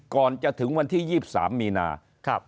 ก่อนจะถึงวันที่๒๓มีนา